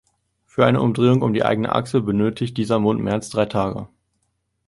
Für eine Umdrehung um die eigene Achse benötigt dieser Mond mehr als drei Tage.